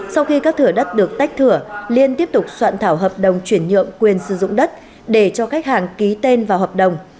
sau khi các thửa đất được tách thửa liên tiếp tục soạn thảo hợp đồng chuyển nhượng quyền sử dụng đất để cho khách hàng ký tên vào hợp đồng